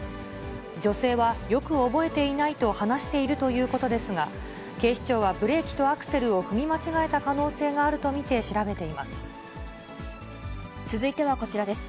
女性はよく覚えていないと話しているということですが、警視庁はブレーキとアクセルを踏み間違えた可能性があると見て調続いてはこちらです。